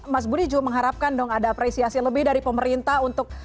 mas budi juga mengharapkan dong ada apresiasi lebih dari pemerintah untuk